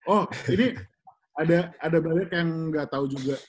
oh ini ada banyak yang gak tau juga